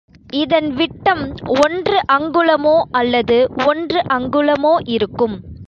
இதன் விட்டம் ஒன்று அங்குலமோ அல்லது ஒன்று அங்குலமோ இருக்கும்.